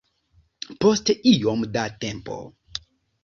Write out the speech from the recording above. Post iom da tempo.